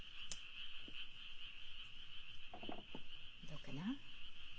どうかな？